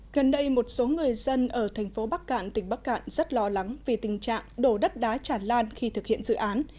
gần đây một số người dân ở thành phố bắc cạn tỉnh bắc cạn rất lo lắng vì tình trạng đổ đất đá chản lan khi thực hiện dự án